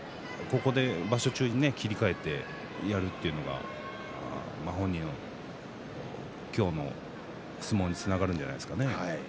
場所中に切り替えてやるというのが本人も今日の相撲につながるんじゃないですかね。